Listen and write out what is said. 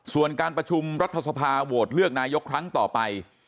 ส่วนการประชุมรัฐสภาโหวตเลือกนายกครั้งต่อไป